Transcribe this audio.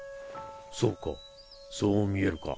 そうかそう見えるか。